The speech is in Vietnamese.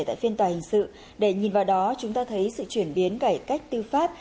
tại phiên tòa hình sự để nhìn vào đó chúng ta thấy sự chuyển biến cải cách tư pháp